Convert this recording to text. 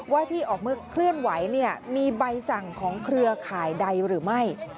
ว่าที่ออกมาเคลื่อนไหวมีใบสั่งของเครือข่ายใดหรือไม่